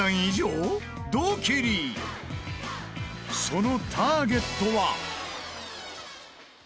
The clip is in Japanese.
そのターゲットは。